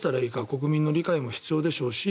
国民の理解も必要でしょうし